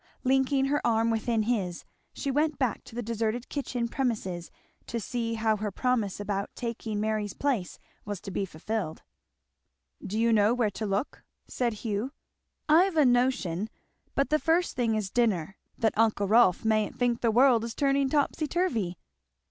Linking her arm within his she went back to the deserted kitchen premises to see how her promise about taking Mary's place was to be fulfilled. "Do you know where to look?" said Hugh. "I've a notion; but the first thing is dinner, that uncle Rolf mayn't think the world is turning topsy turvy.